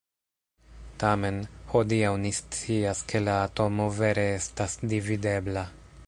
Tamen, hodiaŭ ni scias ke la atomo vere estas dividebla.